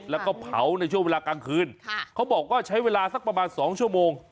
แล้วก็เผาในช่วงเวลากลางคืนเขาบอกว่าใช้เวลาสักประมาณ๒ชั่วโมง